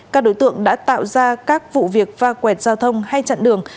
các đối tượng đã tạo ra các vụ việc pha quẹt giao thông hay chặn đường